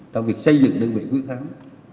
trong việc xây dựng đơn vị quyết thám